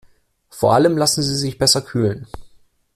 Vor allem lassen sie sich besser kühlen.